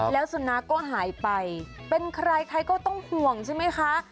แล้วสุนัขก็หายไปเป็นใครใครก็ต้องห่วงใช่ไหมคะ